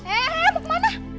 eh mau ke mana